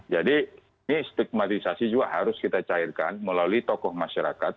jadi ini stigmatisasi juga harus kita cairkan melalui tokoh masyarakat